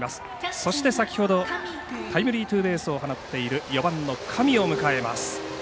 そして先ほどタイムリーツーベースを放っている４番の上を迎えます。